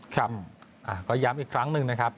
ครับก็ย้ำอีกครั้งหนึ่งนะครับ